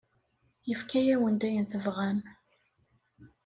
Yefka-awen-d ayen tebɣam.